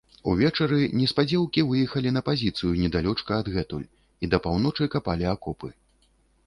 Увечары, неўспадзеўкі, выехалі на пазіцыю, недалёчка адгэтуль, і да паўночы капалі акопы.